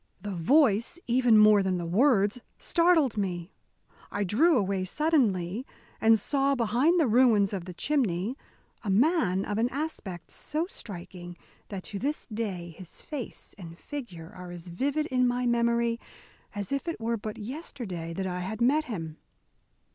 The voice, even more than the words, startled me. I drew away suddenly, and saw, behind the ruins of the chimney, a man of an aspect so striking that to this day his face and figure are as vivid in my memory as if it were but yesterday that I had met him.